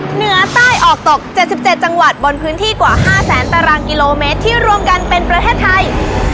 เหนือใต้ออกตก๗๗จังหวัดบนพื้นที่กว่า๕แสนตารางกิโลเมตรที่รวมกันเป็นประเทศไทย